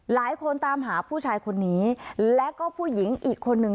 หลายคนตามหาผู้ชายคนนี้และก็ผู้หญิงอีกคนหนึ่ง